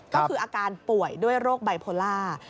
ก็คืออาการป่วยด้วยโรคไบโพลา